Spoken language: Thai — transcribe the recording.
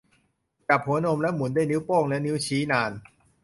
จับหัวนมและหมุนด้วยนิ้วโป้งและนิ้วชี้นาน